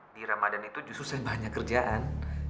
di ramadan itu justru saya banyak kerjaan